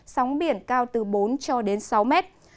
sóng biển cao từ bốn cho đến sáu mét